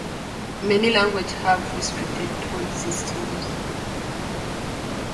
Many of the languages have restricted tone systems.